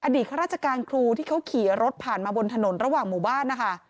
ข้าราชการครูที่เขาขี่รถผ่านมาบนถนนระหว่างหมู่บ้านนะคะ